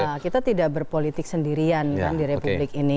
nah kita tidak berpolitik sendirian kan di republik ini